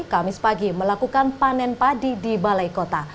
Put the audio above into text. kamis pagi melakukan panen padi di balai kota